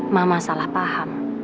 mama salah paham